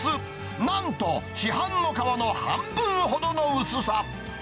なんと市販の皮の半分ほどの薄さ。